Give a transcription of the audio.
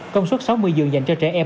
công suất sáu mươi dường dành cho trẻ em